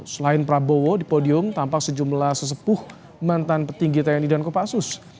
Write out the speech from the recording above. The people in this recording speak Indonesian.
selain prabowo di podium tampak sejumlah sesepuh mantan petinggi tni dan kopassus